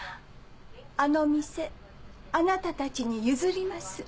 あの店あなたたちに譲ります。